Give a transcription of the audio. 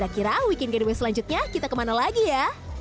kira kira weekend gateway selanjutnya kita kemana lagi ya